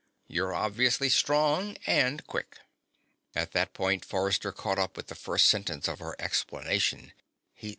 You're obviously strong and quick." At that point Forrester caught up with the first sentence of her explanation.